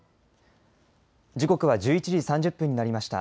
時刻は１１時３０分になりました。